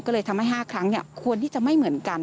ก็เลยทำให้๕ครั้งควรที่จะไม่เหมือนกัน